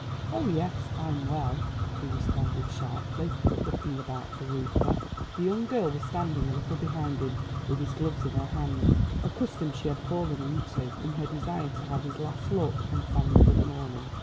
"Oh, yes, I'm well," he responded sharply, looking about for Reuther. The young girl was standing a little behind him, with his gloves in her hand a custom she had fallen into in her desire to have his last look and fond good morning.